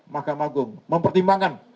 mahkamah agung mempertimbangkan